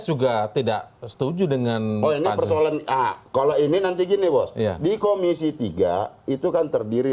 juga tidak setuju dengan ini persoalan kalau ini nanti gini bos di komisi tiga itu kan terdiri